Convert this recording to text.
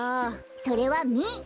それはミ！